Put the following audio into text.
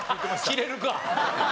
切れるか！